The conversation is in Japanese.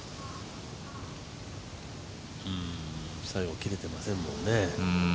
最後、切れてませんもんね。